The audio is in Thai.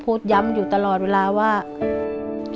พี่น้องของหนูก็ช่วยย่าทำงานค่ะ